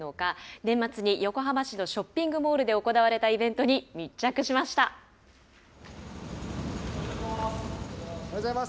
年末に横浜市のショッピングモールで行われたイベントに密着しまおはようございます。